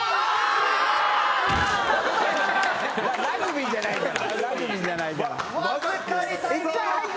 ラグビーじゃないから。